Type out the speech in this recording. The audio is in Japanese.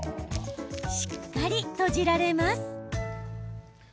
しっかり閉じられます。